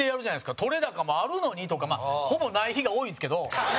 撮れ高もあるのにとかほぼない日が多いんですけど。